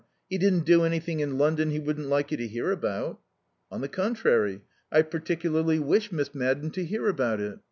He didn't do anything in London he wouldn't like you to hear about." "On the contrary, I particularly wish Miss Madden to hear about it.